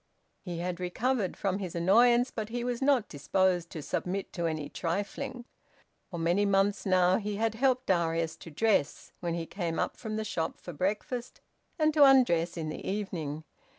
He had recovered from his annoyance, but he was not disposed to submit to any trifling. For many months now he had helped Darius to dress, when he came up from the shop for breakfast, and to undress in the evening.